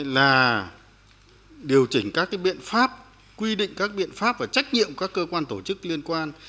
là điều chỉnh các biện pháp quy định các biện pháp và trách nhiệm của các cơ quan tổ chức liên quan